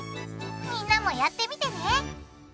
みんなもやってみてね！